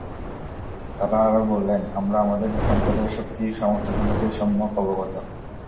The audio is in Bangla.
তারা আরো বললেন, আমরা আমাদের সম্প্রদায়ের শক্তি ও সামর্থ্য সম্পর্কে সম্যক অবগত।